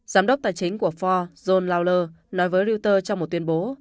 giám đốc tài chính của for john lauler nói với reuters trong một tuyên bố